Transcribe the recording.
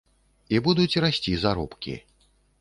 І будуць расці заробкі.